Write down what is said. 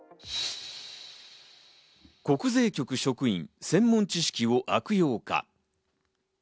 国税局職員、専門知識を悪用か。